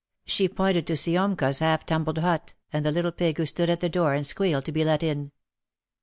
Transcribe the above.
She pointed to Siomka's half tumbled hut, and the little pig who stood at the door and squealed to be let in.